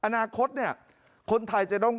อนาคตคนไทยจะต้อง